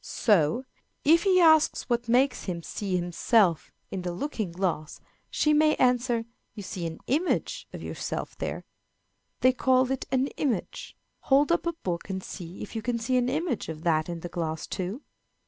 So, if he asks what makes him see himself in the looking glass, she may answer, "You see an image of yourself there. They call it an image. Hold up a book and see if you can see an image of that in the glass too."